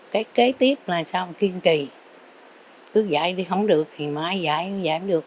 cái kế tiếp là kiên trì cứ dạy đi không được thì mai dạy cũng dạy không được